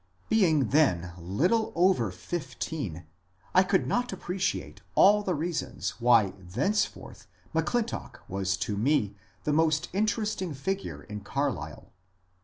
Being then little over fifteen, I could not appreciate all the reasons why thenceforth M'Clintock was to me the most interesting figure in Carlisle.